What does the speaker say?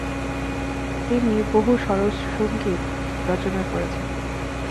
তিনি বহু সরস সঙ্গীত রচনা করেছেন।